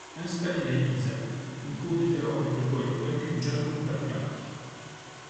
Installée à Ibiza, Nico vit alors avec le poète punk John Cooper Clarke.